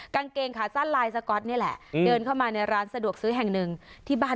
มันชอบวิ่งจุใจเลยแต่ไม่ใช่คุณใช่ไหม